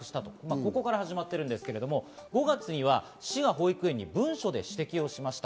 ここから始まっているんですが、５月には文書で指摘しました。